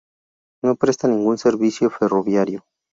No presta ningún servicio ferroviario.